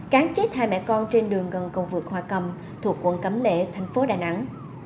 cán chết hai mẹ con trên đường gần công vực hòa cầm thuộc quận cẩm lệ tp đà nẵng